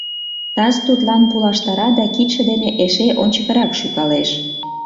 Таз тудлан пулаштара да кидше дене эше ончыкырак шӱкалеш.